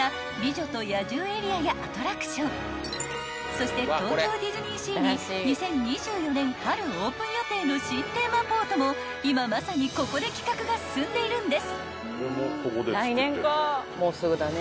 ［そして東京ディズニーシーに２０２４年春オープン予定の新テーマポートも今まさにここで企画が進んでいるんです］